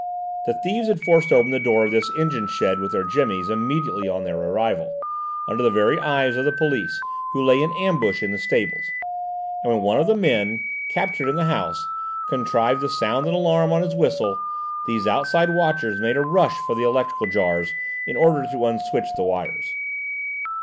The thieves had forced open the door of this engine shed with their jimmies immediately on their arrival, under the very eyes of the police, who lay in ambush in the stables, and when one of the men, captured in the house, contrived to sound an alarm on his whistle, these outside watchers made a rush for the electrical jars, in order to unswitch the wires.